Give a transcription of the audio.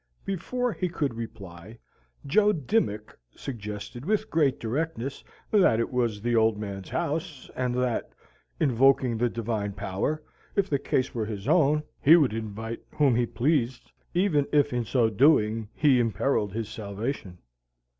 Before he could reply, Joe Dimmick suggested with great directness that it was the "Old Man's house," and that, invoking the Divine Power, if the case were his own, he would invite whom he pleased, even if in so doing he imperilled his salvation.